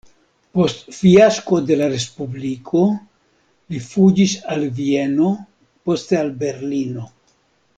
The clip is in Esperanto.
Post fiasko de la respubliko li fuĝis al Vieno, poste al Berlino.